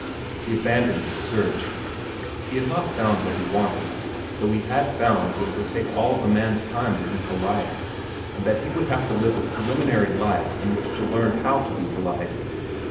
He abandoned his search. He had not found what he wanted, though he had found that it would take all of a man's time to be polite, and that he would have to live a preliminary life in which to learn how to be polite.